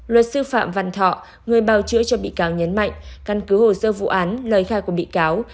luật sư phạm văn thọ người bào chữa cho bị cáo nhấn mạnh căn cứ hồ sơ vụ án lời khai của bị cáo